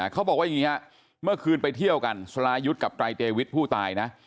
เขาบอกว่าอย่างนี้ฮะเมื่อคืนไปเที่ยวกันสลายุทธ์กับไตรเตวิทผู้ตายนะ